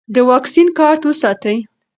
د واکسین کارت وساتئ.